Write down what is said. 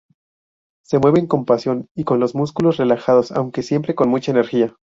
Se mueven con pasión y con los músculos relajados, aunque siempre con mucha energía.